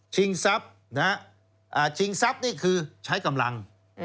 ฉิงซับฉิงซับนี่คือใช้กำลัง